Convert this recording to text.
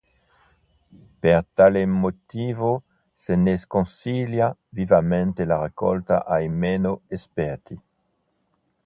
Per tale motivo se ne sconsiglia vivamente la raccolta ai meno esperti.